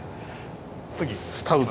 次スタウト。